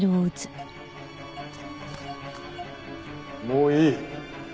もういい。